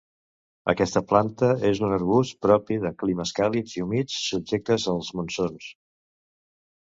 Aquesta planta és un arbust propi de climes càlids i humits subjectes als monsons.